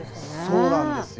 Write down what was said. そうなんですよ